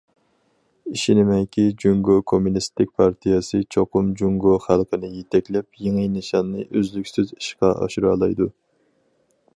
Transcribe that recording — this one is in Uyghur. ئىشىنىمەنكى، جۇڭگو كوممۇنىستىك پارتىيەسى چوقۇم جۇڭگو خەلقىنى يېتەكلەپ، يېڭى نىشاننى ئۈزلۈكسىز ئىشقا ئاشۇرالايدۇ.